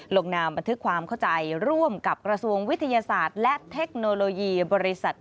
ลงนามบันทึกความเข้าใจร่วมกับกระทรวงวิทยาศาสตร์และเทคโนโลยีบริษัท